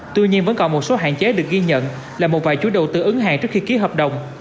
tuy nhiên vẫn còn một số hạn chế được ghi nhận là một vài chú đầu tư ứng hàng trước khi ký hợp đồng